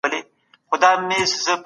سالم ذهن کرکه نه راوړي.